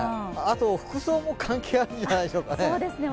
あと服装も関係あるんじゃないでしょうかね。